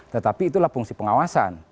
tetapi itulah fungsi pengawasan